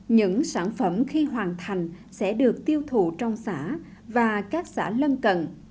những sản phẩm khi hoàn thành sẽ được tiêu thụ trong xã và các xã lân cận